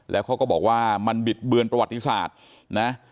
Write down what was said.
แล้วเขาก็บอกว่ามันบิดเบือนประวัติศาสตร์นะ